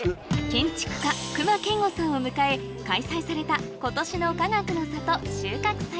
建築家隈研吾さんを迎え開催された今年のかがくの里収穫祭